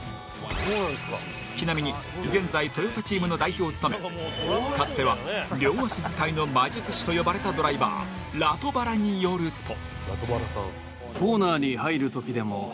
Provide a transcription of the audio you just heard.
ちなみに現在、トヨタチームの代表を務めかつては両足使いの魔術師と呼ばれたドライバーラトバラによると。